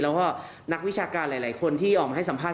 แล้วก็นักวิชาการหลายคนที่ออกมาให้สัมภาษณ